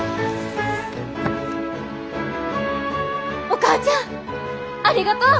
お母ちゃんありがとう！